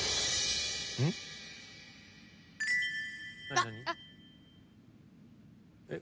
あっ！